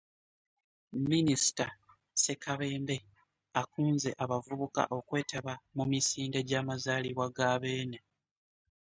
Minisita Ssekabembe akunze abavubuka okwetaba mu misinde gy'amazaalibwa ga Beene